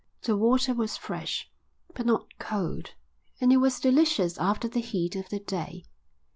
The water was fresh, but not cold; and it was delicious after the heat of the day.